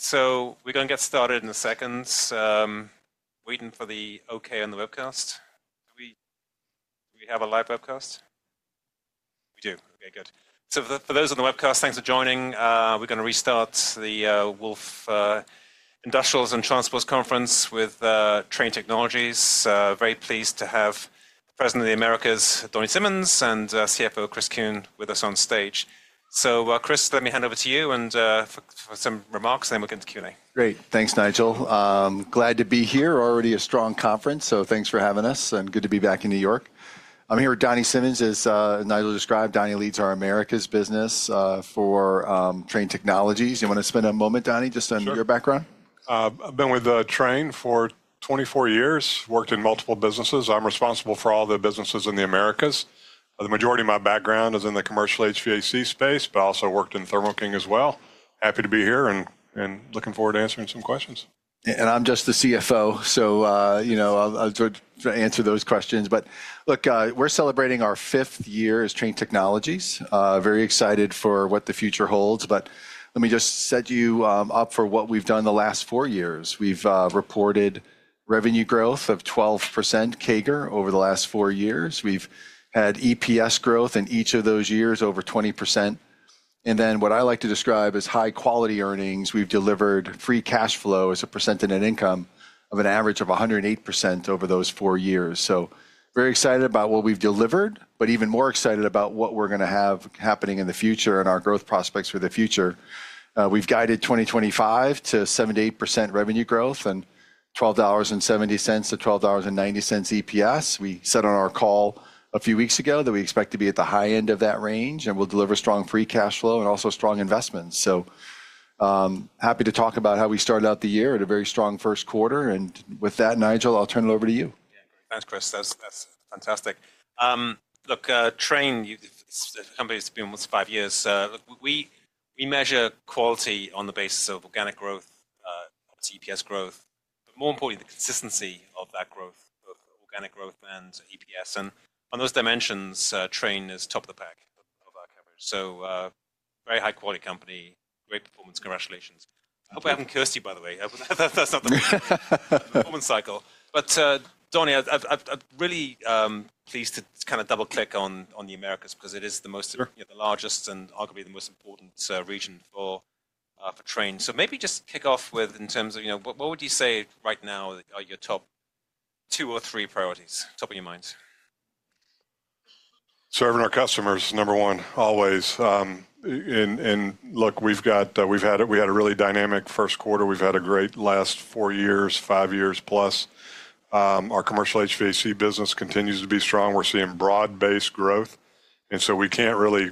All right, so we're going to get started in a second. Waiting for the okay on the webcast. Do we have a live webcast? We do. Okay, good. For those on the webcast, thanks for joining. We're going to restart the Wolf Industrials and Transports Conference with Trane Technologies. Very pleased to have the President of the Americas, Donny Simmons, and CFO Chris Kuehn with us on stage. Chris, let me hand over to you for some remarks, then we'll get to Q&A. Great. Thanks, Nigel. Glad to be here. Already a strong conference, so thanks for having us and good to be back in New York. I'm here with Donny Simmons, as Nigel described. Donny leads our Americas business for Trane Technologies. You want to spend a moment, Donny, just on your background? Sure. I've been with Trane for 24 years, worked in multiple businesses. I'm responsible for all the businesses in the Americas. The majority of my background is in the commercial HVAC space, but I also worked in Thermo King as well. Happy to be here and looking forward to answering some questions. I'm just the CFO, so, you know, I'll sort of answer those questions. Look, we're celebrating our fifth year as Trane Technologies. Very excited for what the future holds. Let me just set you up for what we've done the last four years. We've reported revenue growth of 12% CAGR over the last four years. We've had EPS growth in each of those years over 20%. What I like to describe as high-quality earnings, we've delivered free cash flow as a percentage of income of an average of 108% over those four years. Very excited about what we've delivered, but even more excited about what we're going to have happening in the future and our growth prospects for the future. We've guided 2025 to 7%-8% revenue growth and $12.70-$12.90 EPS. We said on our call a few weeks ago that we expect to be at the high end of that range and will deliver strong free cash flow and also strong investments. Happy to talk about how we started out the year at a very strong first quarter. With that, Nigel, I'll turn it over to you. Yeah, thanks, Chris. That's fantastic. Look, Trane, the company's been with us five years. We measure quality on the basis of organic growth, EPS growth, but more importantly, the consistency of that growth, both organic growth and EPS. On those dimensions, Trane is top of the pack of our coverage. Very high-quality company, great performance. Congratulations. I hope I haven't cursed you, by the way. That's not the performance cycle. Donny, I'm really pleased to kind of double-click on the Americas because it is the most, you know, the largest and arguably the most important region for Trane. Maybe just kick off with, in terms of, you know, what would you say right now are your top two or three priorities, top of your minds? Serving our customers, number one, always. And, look, we've had a really dynamic first quarter. We've had a great last four years, five years plus. Our commercial HVAC business continues to be strong. We're seeing broad-based growth. You know, we can't really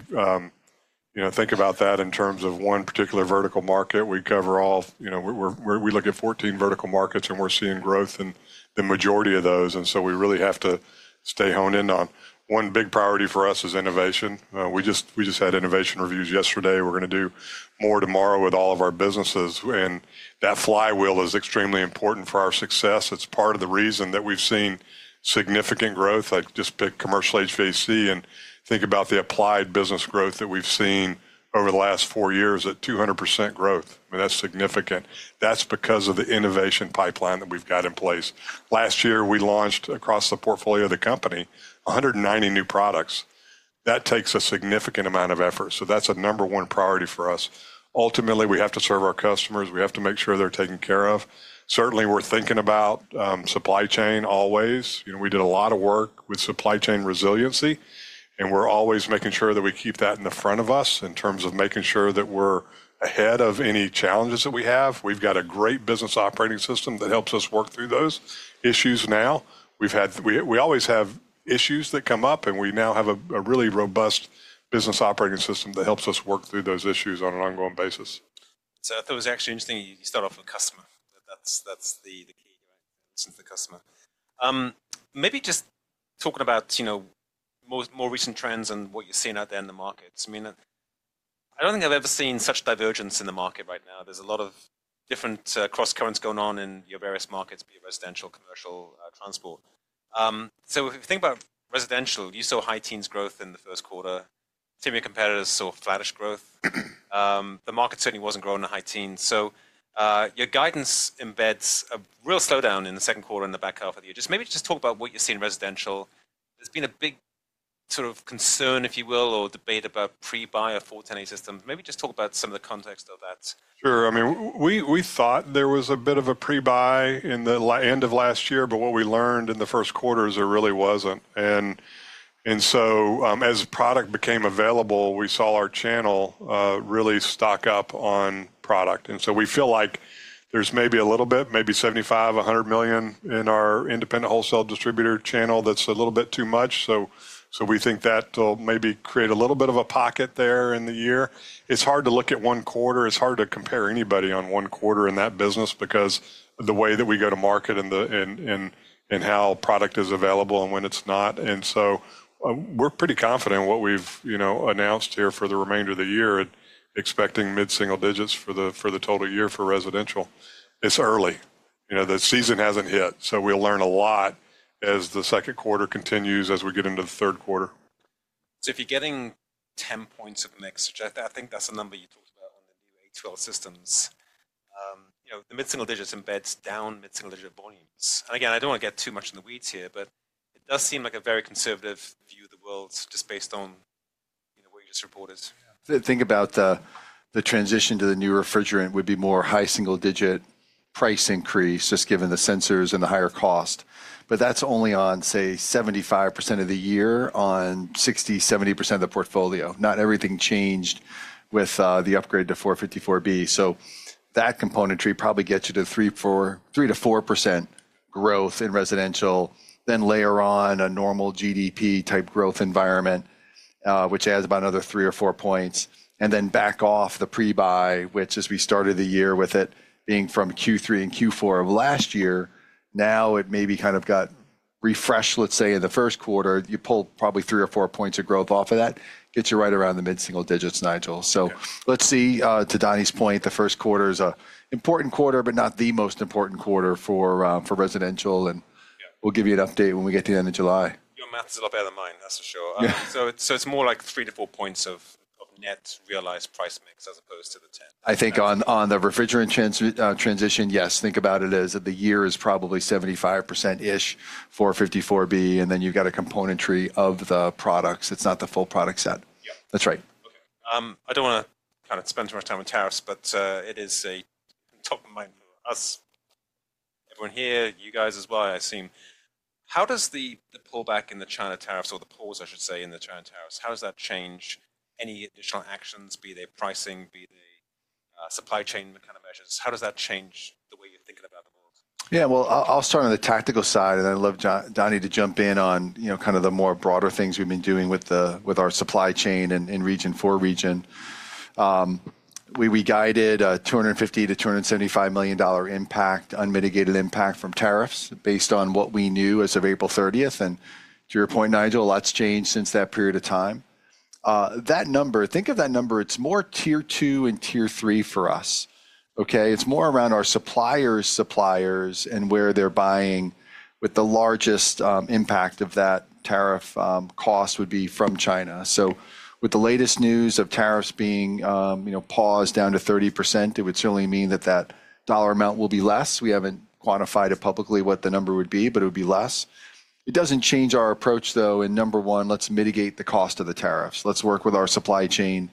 think about that in terms of one particular vertical market. We cover all, you know, we look at 14 vertical markets and we're seeing growth in the majority of those. We really have to stay honed in on. One big priority for us is innovation. We just had innovation reviews yesterday. We're going to do more tomorrow with all of our businesses. That flywheel is extremely important for our success. It's part of the reason that we've seen significant growth. I just pick commercial HVAC and think about the applied business growth that we've seen over the last four years at 200% growth. I mean, that's significant. That's because of the innovation pipeline that we've got in place. Last year, we launched across the portfolio of the company 190 new products. That takes a significant amount of effort. So that's a number one priority for us. Ultimately, we have to serve our customers. We have to make sure they're taken care of. Certainly, we're thinking about, supply chain always. You know, we did a lot of work with supply chain resiliency, and we're always making sure that we keep that in the front of us in terms of making sure that we're ahead of any challenges that we have. We've got a great business operating system that helps us work through those issues now. We've had, we always have issues that come up, and we now have a really robust business operating system that helps us work through those issues on an ongoing basis. I thought it was actually interesting you start off with customer. That's, that's the key, right? It's the customer. Maybe just talking about, you know, more, more recent trends and what you're seeing out there in the markets. I mean, I don't think I've ever seen such divergence in the market right now. There's a lot of different cross currents going on in your various markets, be it residential, commercial, transport. If you think about residential, you saw high teens growth in the first quarter. Some of your competitors saw flattish growth. The market certainly wasn't growing in high teens. Your guidance embeds a real slowdown in the second quarter and the back half of the year. Maybe just talk about what you're seeing in residential. There's been a big sort of concern, if you will, or debate about pre-buy of 410A systems. Maybe just talk about some of the context of that. Sure. I mean, we thought there was a bit of a pre-buy in the end of last year, but what we learned in the first quarter is there really was not. As product became available, we saw our channel really stock up on product. We feel like there is maybe a little bit, maybe $75 million-$100 million in our independent wholesale distributor channel that is a little bit too much. We think that will maybe create a little bit of a pocket there in the year. It is hard to look at one quarter. It is hard to compare anybody on one quarter in that business because of the way that we go to market and how product is available and when it is not. We're pretty confident in what we've, you know, announced here for the remainder of the year and expecting mid-single digits for the total year for residential. It's early. You know, the season hasn't hit. We will learn a lot as the second quarter continues, as we get into the third quarter. If you're getting 10 points of mix, which I think that's the number you talked about on the new A12 systems, you know, the mid-single digits embeds down mid-single digit volumes. Again, I don't want to get too much in the weeds here, but it does seem like a very conservative view of the world just based on, you know, what you just reported. Think about, the transition to the new refrigerant would be more high single-digit price increase just given the sensors and the higher cost. That is only on, say, 75% of the year on 60-70% of the portfolio. Not everything changed with, the upgrade to 454B. That componentry probably gets you to 3-4% growth in residential, then layer on a normal GDP-type growth environment, which adds about another 3 or 4 points. Then back off the pre-buy, which as we started the year with it being from Q3 and Q4 of last year, now it maybe kind of got refreshed, let's say in the first quarter, you pull probably 3 or 4 points of growth off of that, gets you right around the mid-single digits, Nigel. Let's see, to Donny's point, the first quarter is an important quarter, but not the most important quarter for residential. We'll give you an update when we get to the end of July. Your math is a lot better than mine, that's for sure. It's more like three to four points of net realized price mix as opposed to the 10. I think on the refrigerant transition, yes, think about it as the year is probably 75%-ish 454B, and then you've got a componentry of the products. It's not the full product set. Yeah. That's right. Okay. I do not want to kind of spend too much time on tariffs, but it is a top of mind for us, everyone here, you guys as well, I assume. How does the, the pullback in the China tariffs, or the pause, I should say, in the China tariffs, how does that change any additional actions, be they pricing, be they supply chain kind of measures? How does that change the way you are thinking about the world? Yeah, I'll start on the tactical side, and I'd love Donny to jump in on, you know, kind of the more broader things we've been doing with our supply chain and region for region. We guided a $250 million-$275 million impact, unmitigated impact from tariffs based on what we knew as of April 30th. And to your point, Nigel, a lot's changed since that period of time. That number, think of that number, it's more tier two and tier three for us. Okay? It's more around our suppliers' suppliers, and where they're buying, with the largest impact of that tariff cost would be from China. With the latest news of tariffs being, you know, paused down to 30%, it would certainly mean that that dollar amount will be less. We have not quantified it publicly what the number would be, but it would be less. It does not change our approach, though. Number one, let us mitigate the cost of the tariffs. Let us work with our supply chain.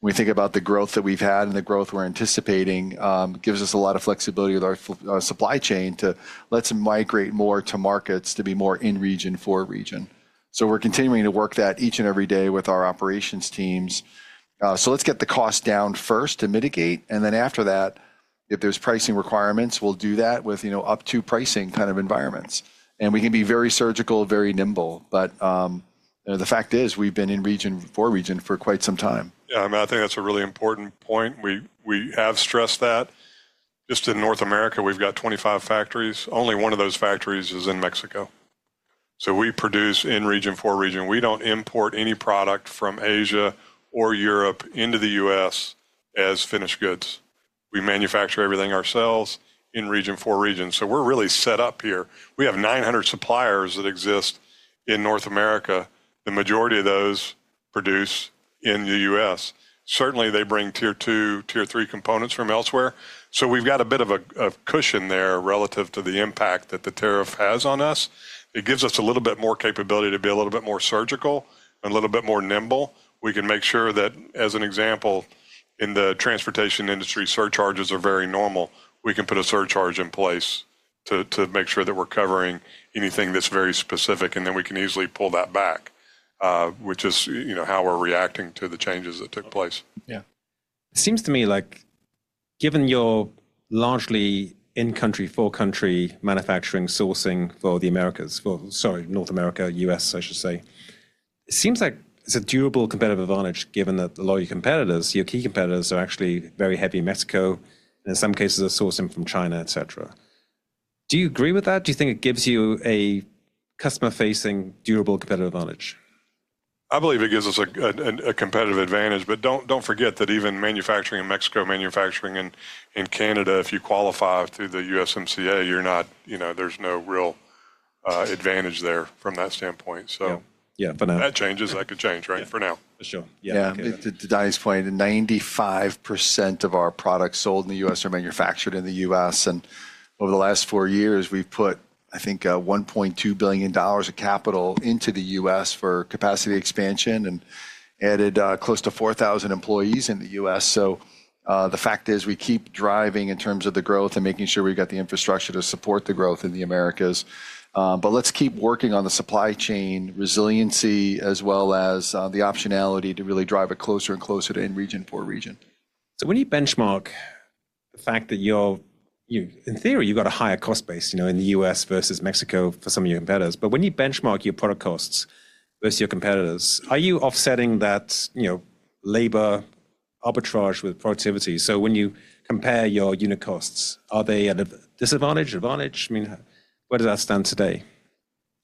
When we think about the growth that we have had and the growth we are anticipating, it gives us a lot of flexibility with our supply chain to let us migrate more to markets to be more in region, for region. We are continuing to work that each and every day with our operations teams. Let us get the cost down first to mitigate, and then after that, if there are pricing requirements, we will do that with, you know, up to pricing kind of environments. We can be very surgical, very nimble, but, you know, the fact is we have been in region, for region for quite some time. Yeah, I mean, I think that's a really important point. We have stressed that. Just in North America, we've got 25 factories. Only one of those factories is in Mexico. We produce in region, for region. We don't import any product from Asia or Europe into the U.S. as finished goods. We manufacture everything ourselves in region, for region. We're really set up here. We have 900 suppliers that exist in North America. The majority of those produce in the U.S. Certainly, they bring tier two, tier three components from elsewhere. We've got a bit of a cushion there relative to the impact that the tariff has on us. It gives us a little bit more capability to be a little bit more surgical and a little bit more nimble. We can make sure that, as an example, in the transportation industry, surcharges are very normal. We can put a surcharge in place to make sure that we're covering anything that's very specific, and then we can easily pull that back, which is, you know, how we're reacting to the changes that took place. Yeah. It seems to me like given your largely in-country, four-country manufacturing sourcing for the Americas, for, sorry, North America, U.S., I should say, it seems like it's a durable competitive advantage given that a lot of your competitors, your key competitors are actually very heavy Mexico and in some cases are sourcing from China, et cetera. Do you agree with that? Do you think it gives you a customer-facing durable competitive advantage? I believe it gives us a competitive advantage, but don't forget that even manufacturing in Mexico, manufacturing in Canada, if you qualify through the USMCA, you're not, you know, there's no real advantage there from that standpoint. Yeah, yeah, for now. That changes, that could change, right? For now. For sure. Yeah. To Donnie's point, 95% of our products sold in the U.S. are manufactured in the U.S. Over the last four years, we've put, I think, $1.2 billion of capital into the U.S. for capacity expansion and added close to 4,000 employees in the U.S. The fact is we keep driving in terms of the growth and making sure we've got the infrastructure to support the growth in the Americas. Let's keep working on the supply chain resiliency as well as the optionality to really drive it closer and closer to in region, for region. When you benchmark the fact that you're, you know, in theory, you've got a higher cost base, you know, in the U.S. versus Mexico for some of your competitors, when you benchmark your product costs versus your competitors, are you offsetting that, you know, labor arbitrage with productivity? When you compare your unit costs, are they at a disadvantage, advantage? I mean, where does that stand today?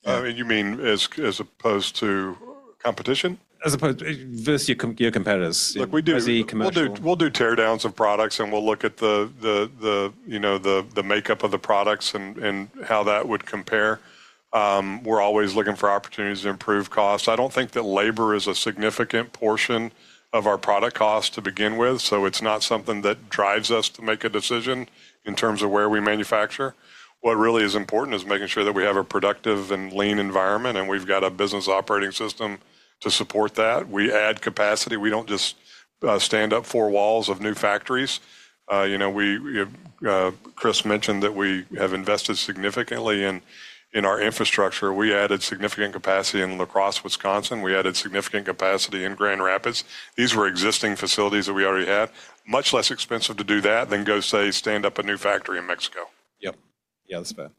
I mean, you mean as opposed to competition? As opposed to your competitors? Look, we do, we'll do tear downs of products and we'll look at the, you know, the makeup of the products and how that would compare. We're always looking for opportunities to improve costs. I don't think that labor is a significant portion of our product costs to begin with. It's not something that drives us to make a decision in terms of where we manufacture. What really is important is making sure that we have a productive and lean environment and we've got a business operating system to support that. We add capacity. We don't just stand up four walls of new factories. You know, we, Chris mentioned that we have invested significantly in our infrastructure. We added significant capacity in La Crosse, Wisconsin. We added significant capacity in Grand Rapids. These were existing facilities that we already had. Much less expensive to do that than go, say, stand up a new factory in Mexico. Yep. Yeah, that's fair.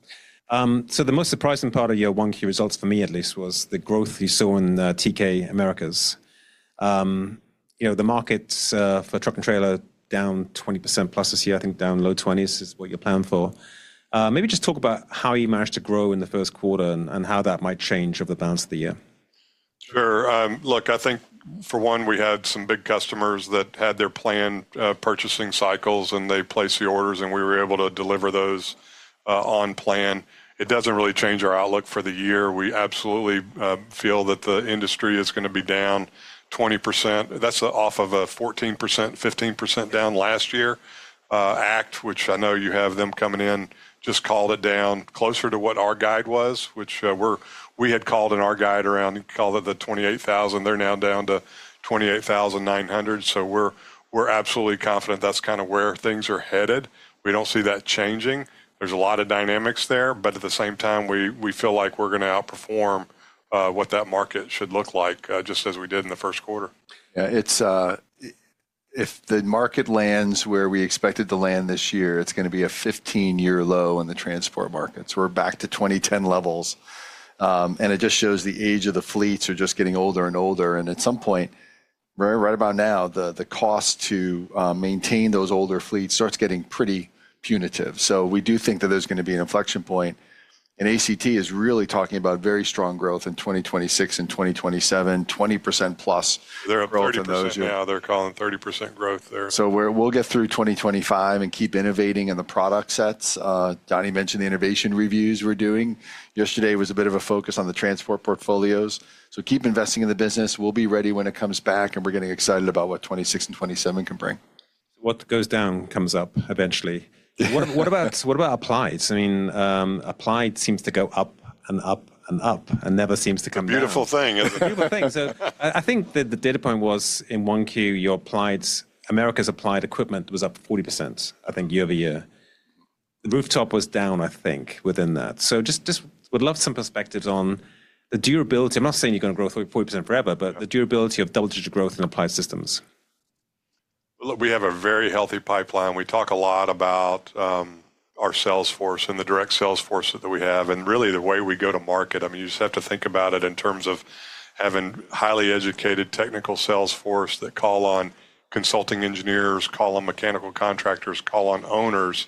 The most surprising part of your one-key results for me, at least, was the growth you saw in TK Americas. You know, the markets for truck and trailer down 20% plus this year, I think down low 20s is what you're planning for. Maybe just talk about how you managed to grow in the first quarter and how that might change over the balance of the year?. Sure. Look, I think for one, we had some big customers that had their planned purchasing cycles and they placed the orders and we were able to deliver those on plan. It does not really change our outlook for the year. We absolutely feel that the industry is going to be down 20%. That is off of a 14%-15% down last year. ACT, which I know you have them coming in, just called it down closer to what our guide was, which we had called in our guide around, called it the 28,000. They are now down to 28,900. We are absolutely confident that is kind of where things are headed. We do not see that changing. There is a lot of dynamics there, but at the same time, we feel like we are going to outperform what that market should look like, just as we did in the first quarter. Yeah, if the market lands where we expect it to land this year, it's going to be a 15-year low in the transport markets. We're back to 2010 levels. It just shows the age of the fleets are just getting older and older. At some point, right about now, the cost to maintain those older fleets starts getting pretty punitive. We do think that there's going to be an inflection point. ACT is really talking about very strong growth in 2026 and 2027, 20%+ growth in those. They're up towards those. Yeah, they're calling 30% growth there. We're, we'll get through 2025 and keep innovating in the product sets. Donny mentioned the innovation reviews we're doing. Yesterday was a bit of a focus on the transport portfolios. Keep investing in the business. We'll be ready when it comes back and we're getting excited about what 2026 and 2027 can bring. What goes down comes up eventually. What about applied? I mean, applied seems to go up and up and up and never seems to come down. A beautiful thing. A beautiful thing. I think that the data point was in Q1, your Americas applied equipment was up 40% year-over-year. The rooftop was down within that. I would love some perspectives on the durability. I am not saying you are going to grow 40% forever, but the durability of double-digit growth in applied systems. Look, we have a very healthy pipeline. We talk a lot about our sales force and the direct sales force that we have. I mean, you just have to think about it in terms of having a highly educated technical sales force that call on consulting engineers, call on mechanical contractors, call on owners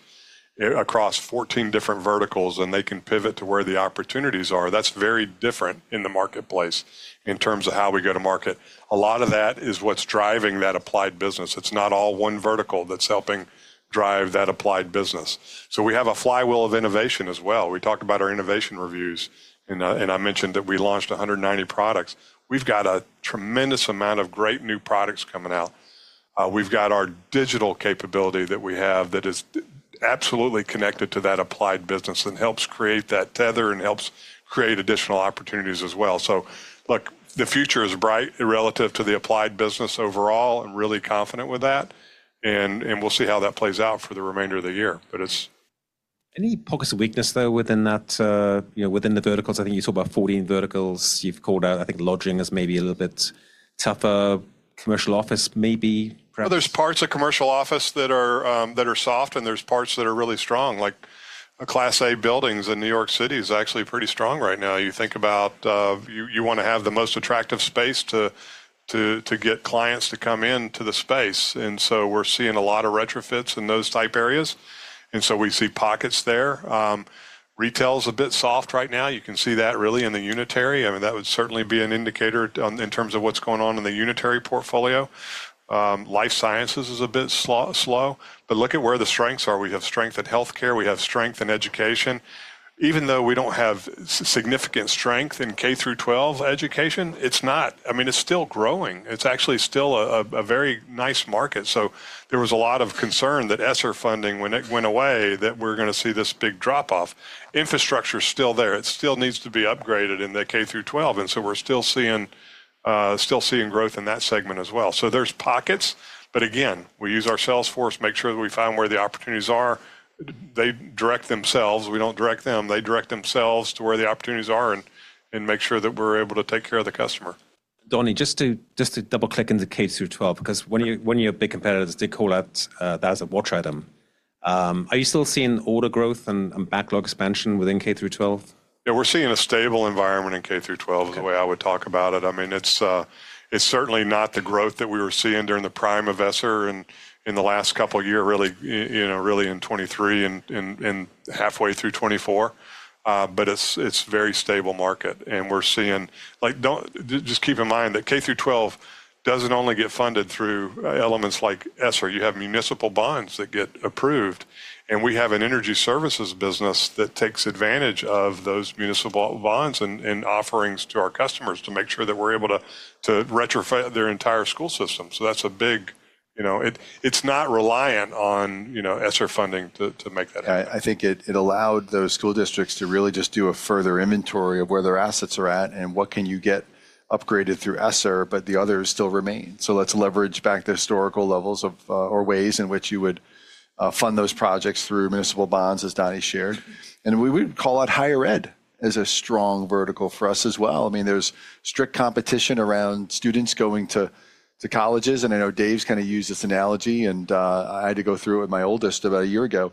across 14 different verticals, and they can pivot to where the opportunities are. That is very different in the marketplace in terms of how we go to market. A lot of that is what is driving that applied business. It is not all one vertical that is helping drive that applied business. We have a flywheel of innovation as well. We talk about our innovation reviews, and I mentioned that we launched 190 products. We have got a tremendous amount of great new products coming out. have got our digital capability that we have that is absolutely connected to that applied business and helps create that tether and helps create additional opportunities as well. Look, the future is bright relative to the applied business overall and really confident with that. We will see how that plays out for the remainder of the year, but it is. Any pockets of weakness though within that, you know, within the verticals? I think you talk about 14 verticals. You've called out, I think lodging is maybe a little bit tougher, commercial office maybe. There are parts of commercial office that are soft and there are parts that are really strong, like Class A buildings in New York City is actually pretty strong right now. You think about, you want to have the most attractive space to get clients to come into the space. I mean, we're seeing a lot of retrofits in those type areas. We see pockets there. Retail is a bit soft right now. You can see that really in the unitary. I mean, that would certainly be an indicator in terms of what's going on in the unitary portfolio. Life sciences is a bit slow, but look at where the strengths are. We have strength in healthcare. We have strength in education. Even though we do not have significant strength in K-12 education, it's not, I mean, it's still growing. It's actually still a very nice market. There was a lot of concern that ESSER funding, when it went away, that we're going to see this big drop off. Infrastructure is still there. It still needs to be upgraded in the K-12. We're still seeing growth in that segment as well. There are pockets, but again, we use our sales force to make sure that we find where the opportunities are. They direct themselves. We do not direct them. They direct themselves to where the opportunities are and make sure that we're able to take care of the customer. Donny, just to double click into K-12, because when you have big competitors, they call out that as a watch item. Are you still seeing order growth and backlog expansion within K-12? Yeah, we're seeing a stable environment in K-12 is the way I would talk about it. I mean, it's certainly not the growth that we were seeing during the prime of ESSER and in the last couple of years, really, you know, really in 2023 and halfway through 2024. It's a very stable market and we're seeing, like, don't just keep in mind that K-12 doesn't only get funded through elements like ESSER. You have municipal bonds that get approved and we have an energy services business that takes advantage of those municipal bonds and offerings to our customers to make sure that we're able to retrofit their entire school system. That's a big, you know, it's not reliant on ESSER funding to make that happen. I think it allowed those school districts to really just do a further inventory of where their assets are at and what can you get upgraded through ESSER, but the others still remain. Let's leverage back the historical levels of, or ways in which you would fund those projects through municipal bonds, as Donny shared. We would call out higher ed as a strong vertical for us as well. I mean, there's strict competition around students going to colleges. I know Dave's kind of used this analogy and I had to go through it with my oldest about a year ago.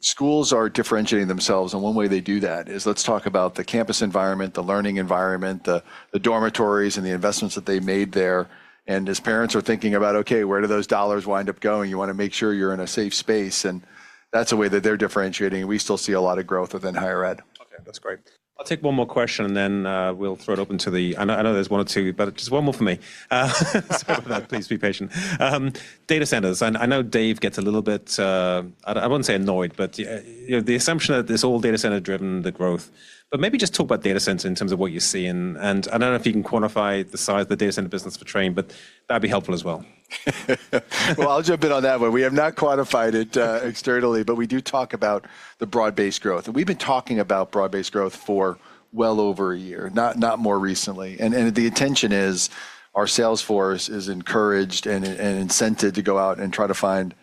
Schools are differentiating themselves. One way they do that is let's talk about the campus environment, the learning environment, the dormitories and the investments that they made there. As parents are thinking about, okay, where do those dollars wind up going? You want to make sure you're in a safe space. And that's a way that they're differentiating. We still see a lot of growth within higher ed. Okay. That's great. I'll take one more question and then, we'll throw it open to the, I know, I know there's one or two, but just one more for me. Please be patient. Data centers. I know Dave gets a little bit, I wouldn't say annoyed, but you know the assumption that it's all data center driven, the growth, but maybe just talk about data centers in terms of what you're seeing. I don't know if you can quantify the size of the data center business for Trane, but that'd be helpful as well. I'll jump in on that one. We have not quantified it, externally, but we do talk about the broad-based growth. We have been talking about broad-based growth for well over a year, not, not more recently. The intention is our sales force is encouraged and incented to go out and try to find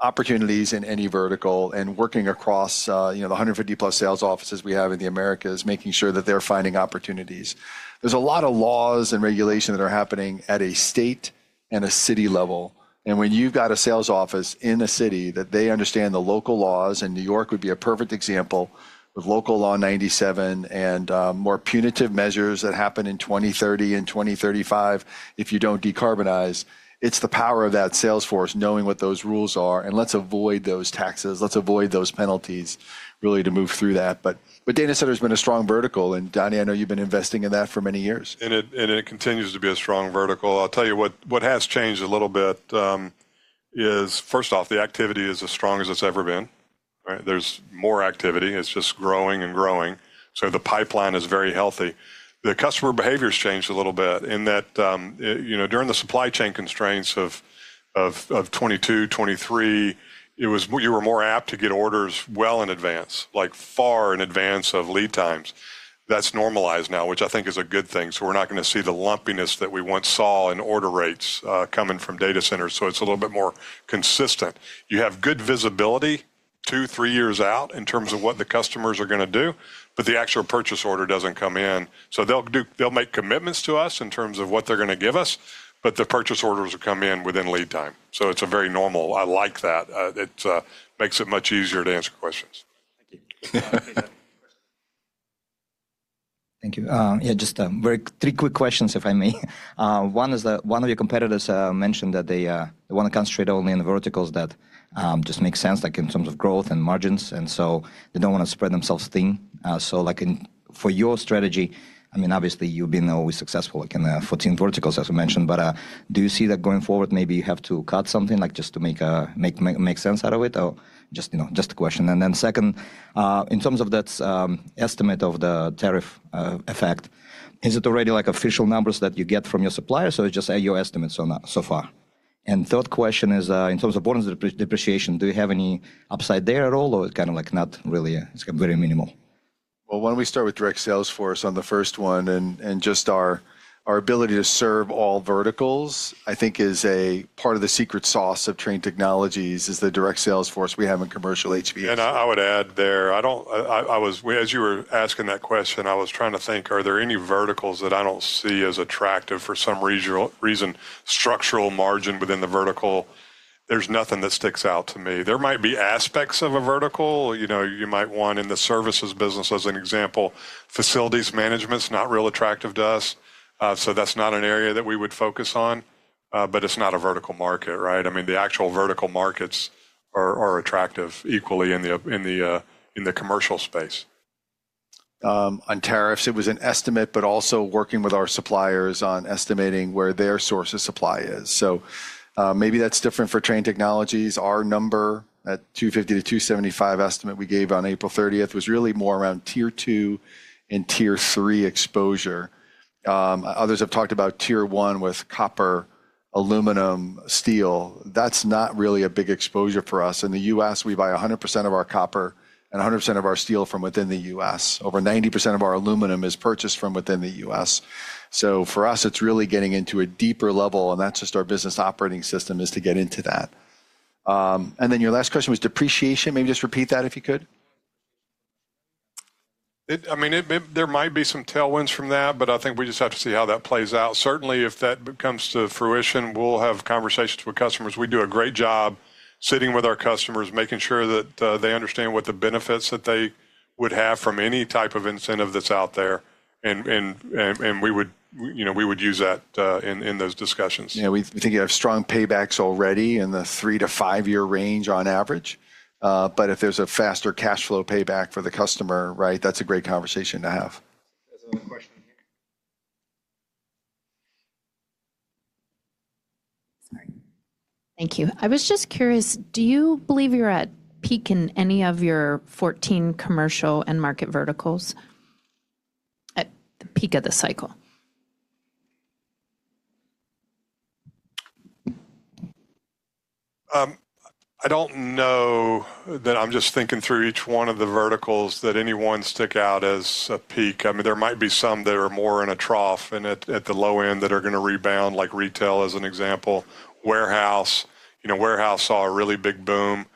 opportunities in any vertical and working across, you know, the 150+ sales offices we have in the Americas, making sure that they are finding opportunities. There is a lot of laws and regulations that are happening at a state and a city level. When you have got a sales office in a city that they understand the local laws, and New York would be a perfect example with Local Law 97 and more punitive measures that happen in 2030 and 2035, if you do not decarbonize, it is the power of that sales force knowing what those rules are. Let us avoid those taxes. Let us avoid those penalties really to move through that. Data center has been a strong vertical and Donny, I know you've been investing in that for many years. It continues to be a strong vertical. I'll tell you what has changed a little bit. First off, the activity is as strong as it's ever been. Right? There's more activity. It's just growing and growing. The pipeline is very healthy. The customer behavior has changed a little bit in that, you know, during the supply chain constraints of 2022, 2023, you were more apt to get orders well in advance, like far in advance of lead times. That's normalized now, which I think is a good thing. We're not going to see the lumpiness that we once saw in order rates coming from data centers. It's a little bit more consistent. You have good visibility two, three years out in terms of what the customers are going to do, but the actual purchase order doesn't come in. They'll make commitments to us in terms of what they're going to give us, but the purchase orders will come in within lead time. It's a very normal, I like that. It makes it much easier to answer questions. Thank you. Thank you. Yeah, just very three quick questions, if I may. One is that one of your competitors mentioned that they want to concentrate only in verticals that just make sense, like in terms of growth and margins. They do not want to spread themselves thin. Like for your strategy, I mean, obviously you have been always successful, like in 14 verticals, as we mentioned, but do you see that going forward? Maybe you have to cut something just to make sense out of it or just, you know, just a question. Then second, in terms of that estimate of the tariff effect, is it already official numbers that you get from your suppliers, or is it just your estimates on that so far? Third question is, in terms of bonus depreciation, do you have any upside there at all or it's kind of like not really, it's very minimal? Why don't we start with direct sales force on the first one and just our ability to serve all verticals? I think a part of the secret sauce of Trane Technologies is the direct sales force we have in commercial HVAC. I would add there, I was, as you were asking that question, I was trying to think, are there any verticals that I don't see as attractive for some regional reason, structural margin within the vertical? There is nothing that sticks out to me. There might be aspects of a vertical, you know, you might want in the services business. As an example, facilities management is not real attractive to us, so that is not an area that we would focus on, but it is not a vertical market, right? I mean, the actual vertical markets are attractive equally in the commercial space. On tariffs, it was an estimate, but also working with our suppliers on estimating where their source of supply is. Maybe that is different for Trane Technologies. Our number at $250 million-$275 million estimate we gave on April 30th was really more around tier two and tier three exposure. Others have talked about tier one with copper, aluminum, steel. That is not really a big exposure for us. In the U.S., we buy 100% of our copper and 100% of our steel from within the U.S. Over 90% of our aluminum is purchased from within the U.S. For us, it is really getting into a deeper level and that is just our business operating system is to get into that. Your last question was depreciation. Maybe just repeat that if you could. I mean, there might be some tailwinds from that, but I think we just have to see how that plays out. Certainly, if that comes to fruition, we'll have conversations with customers. We do a great job sitting with our customers, making sure that they understand what the benefits that they would have from any type of incentive that's out there. We would, you know, we would use that in those discussions. Yeah. We think you have strong paybacks already in the three- to five-year range on average. If there's a faster cashflow payback for the customer, right, that's a great conversation to have. Thank you. I was just curious, do you believe you're at peak in any of your 14 commercial and market verticals at the peak of the cycle? I don't know that I'm just thinking through each one of the verticals that any one stick out as a peak. I mean, there might be some that are more in a trough and at the low end that are going to rebound, like retail as an example, warehouse, you know, warehouse saw a really big boom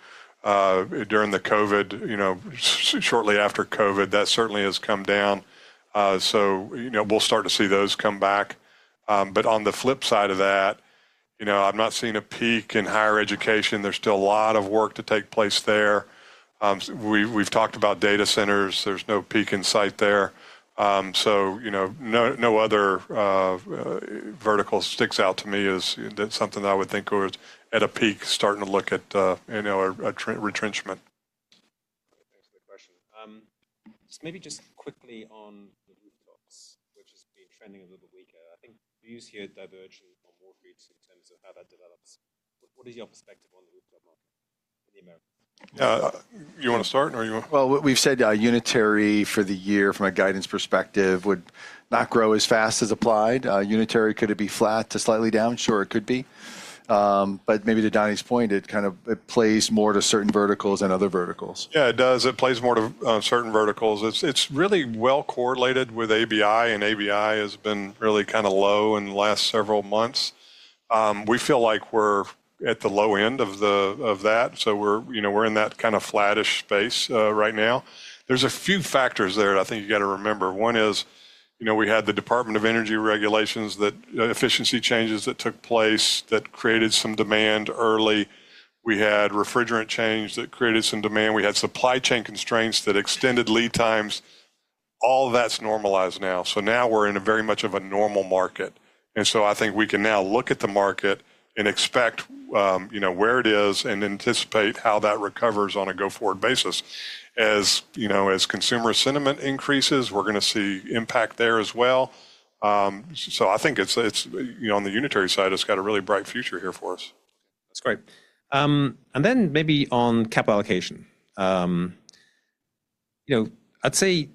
during the COVID, you know, shortly after COVID, that certainly has come down. You know, we'll start to see those come back. On the flip side of that, you know, I'm not seeing a peak in higher education. There's still a lot of work to take place there. We, we've talked about data centers. There's no peak in sight there. You know, no other vertical sticks out to me as something that I would think was at a peak starting to look at, you know, a retrenchment. Thanks for the question. Maybe just quickly on the rooftops, which has been trending a little bit weaker. I think views here diverge on Wall Street in terms of how that develops. What is your perspective on the rooftop market in the Americas? Yeah. You want to start or you want? We have said, unitary for the year from a guidance perspective would not grow as fast as applied. Unitary, could it be flat to slightly down? Sure, it could be. Maybe to Donny's point, it kind of plays more to certain verticals than other verticals. Yeah, it does. It plays more to certain verticals. It's really well correlated with ABI and ABI has been really kind of low in the last several months. We feel like we're at the low end of that. So we're, you know, we're in that kind of flattish space right now. There's a few factors there that I think you got to remember. One is, you know, we had the Department of Energy regulations, the efficiency changes that took place that created some demand early. We had refrigerant change that created some demand. We had supply chain constraints that extended lead times. All that's normalized now. Now we're in a very much of a normal market. I think we can now look at the market and expect, you know, where it is and anticipate how that recovers on a go-forward basis. As you know, as consumer sentiment increases, we're going to see impact there as well. I think it's, you know, on the unitary side, it's got a really bright future here for us. That's great. And then maybe on capital allocation, you know, I'd say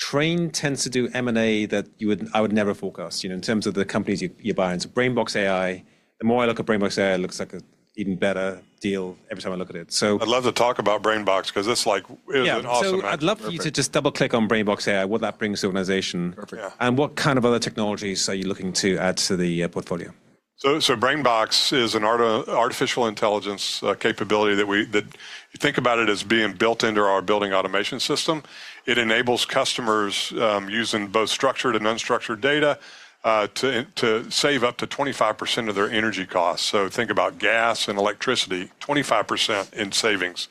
Trane tends to do M&A that you would, I would never forecast, you know, in terms of the companies you're buying. So BrainBox AI, the more I look at BrainBox AI, it looks like an even better deal every time I look at it. I'd love to talk about BrainBox because it's like, it was an awesome answer. I'd love for you to just double click on BrainBox AI, what that brings to the organization. Perfect. What kind of other technologies are you looking to add to the portfolio? BrainBox is an artificial intelligence capability that you think about as being built into our building automation system. It enables customers, using both structured and unstructured data, to save up to 25% of their energy costs. Think about gas and electricity, 25% in savings.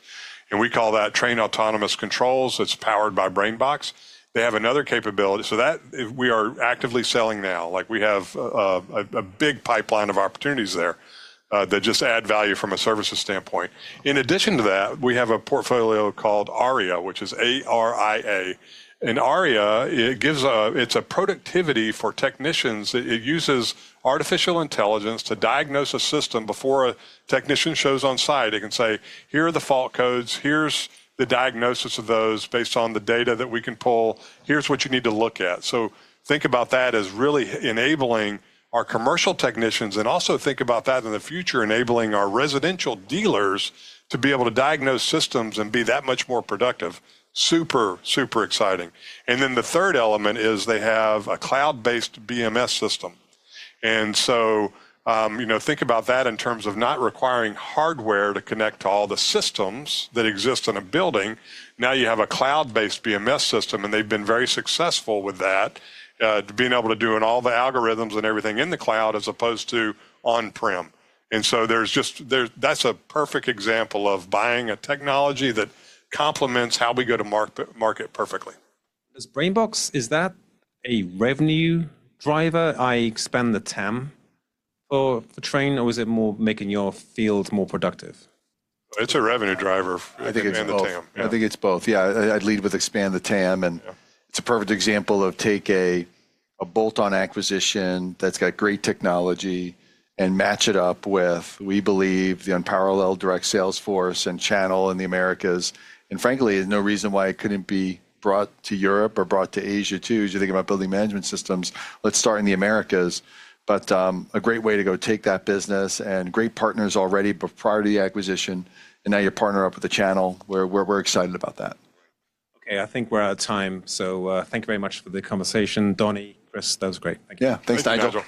We call that Trane Autonomous Controls. It is powered by BrainBox. They have another capability that we are actively selling now. We have a big pipeline of opportunities there that just add value from a services standpoint. In addition to that, we have a portfolio called ARIA, which is A-R-I-A. ARIA gives productivity for technicians. It uses artificial intelligence to diagnose a system before a technician shows on site. It can say, here are the fault codes. Here is the diagnosis of those based on the data that we can pull. Here's what you need to look at. Think about that as really enabling our commercial technicians and also think about that in the future, enabling our residential dealers to be able to diagnose systems and be that much more productive. Super, super exciting. The third element is they have a cloud-based BMS system. You know, think about that in terms of not requiring hardware to connect to all the systems that exist in a building. Now you have a cloud-based BMS system and they've been very successful with that, being able to do all the algorithms and everything in the cloud as opposed to on-prem. There's just, that's a perfect example of buying a technology that complements how we go to market perfectly. Does BrainBox, is that a revenue driver? Does it expand the TAM for Trane or is it more making your field more productive? It's a revenue driver. I think it's both. Expand the TAM. I think it's both. Yeah. I'd lead with expand the TAM and it's a perfect example of take a bolt-on acquisition that's got great technology and match it up with, we believe, the unparalleled direct sales force and channel in the Americas. Frankly, there's no reason why it couldn't be brought to Europe or brought to Asia too, as you're thinking about building management systems. Let's start in the Americas, but a great way to go take that business and great partners already, but prior to the acquisition and now you partner up with a channel where we're excited about that. Okay. I think we're out of time. Thank you very much for the conversation, Donny, Chris. That was great. Thank you. Yeah. Thanks, Nigel.